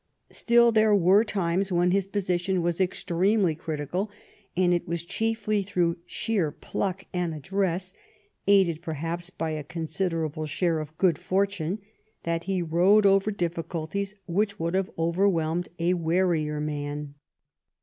Still there were times when his position was extremely critical, and it was chiefly through sheer pluck and address, aided perhaps by a considerable share of good fortune, that he rode over difficulties which would have overwhelmed a warier man.